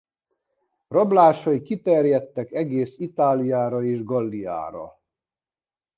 Rablásai kiterjedtek egész Itáliára és Galliára.